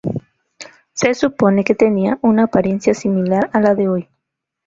Se supone que tenía una apariencia similar a la de hoy.